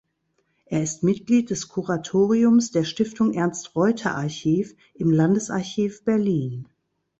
Er ist Mitglied des Kuratoriums der Stiftung Ernst-Reuter-Archiv im Landesarchiv Berlin.